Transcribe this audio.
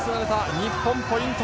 日本、ポイント。